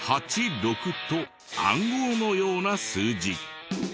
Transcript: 「８６」と暗号のような数字。